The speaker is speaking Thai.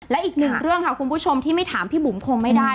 และอีกหนึ่งเรื่องค่ะคุณผู้ชมที่ไม่ถามพี่บุ๋มคงไม่ได้